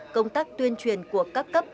công tác tuyên truyền của các cấp